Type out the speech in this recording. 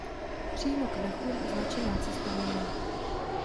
Přímo k vrchu značená cesta není.